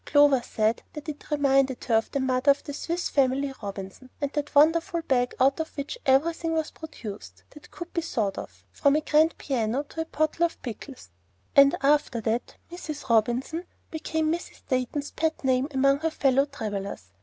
Clover said that it reminded her of the mother of the Swiss Family Robinson and that wonderful bag out of which everything was produced that could be thought of, from a grand piano to a bottle of pickles; and after that "Mrs. Robinson" became Mrs. Dayton's pet name among her fellow travellers.